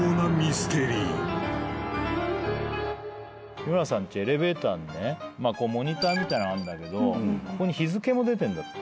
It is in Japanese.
日村さんちエレベーターにねモニターみたいのあんだけど日付も出てんだって。